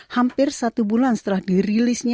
hampir satu bulan setelah dirilisnya